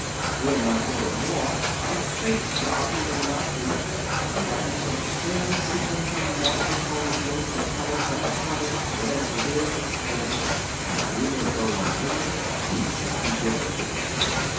We are not yet at war. I pray God we may not be, and that we shall soon see them come marching home again to tell us that the trouble, whatever it is, is over, and that we may go on living in peace as we did before."